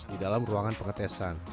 di dalam ruangan pengetesan